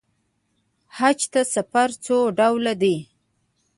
حج ته سفر څو ډوله دی.